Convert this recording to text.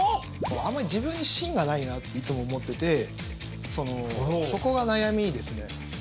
あんまり自分に芯がないなっていつも思っててそこが悩みですね。